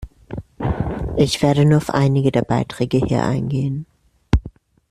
Ich werde nur auf einige der Beiträge hier eingehen.